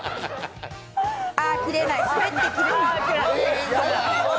あ、切れない。